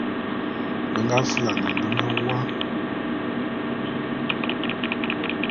Be nga fulane nlem wua.